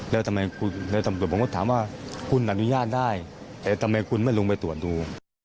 ผมก็ถามว่าคุณอนุญาตได้แต่ทำไมคุณไม่ลงไปตรวจดู